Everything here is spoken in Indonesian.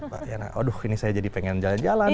pak yana aduh ini saya jadi pengen jalan jalan